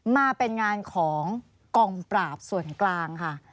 มาเป็นงานของกองปราบส่วนกลางค่ะ